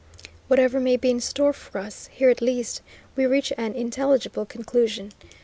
Whatever may be in store for us, here at least, we reach an intelligible conclusion.